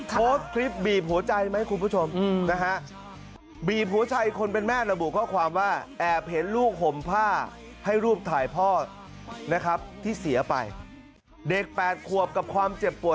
ทำไมฉันไม่ตายกว่าเธอทำไมเธอมาจากไปกว่าฉัน